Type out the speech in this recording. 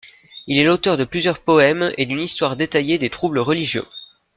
Il est l'auteur de plusieurs poèmes et d'une histoire détaillée des troubles religieux.